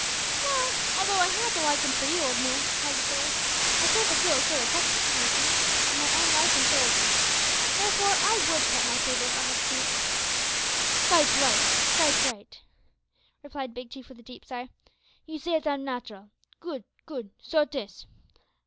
"Well, although I has a likin' for you, old man," replied the sailor, "I can't but feel a sort o' preference, d'ee see, for my own wife an' child'n. There_fore_ I would cut my cable, if I had the chance." "Kite right, kite right," replied Big Chief, with a deep sigh, "you say it am nat'ral. Good, good, so 'tis.